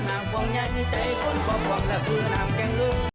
ลงกินขอบวนก่อนล่ะ